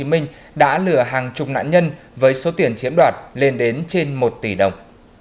minh đã lừa hàng chục nạn nhân với số tiền chiếm đoạt lên đến trên một tỷ đồng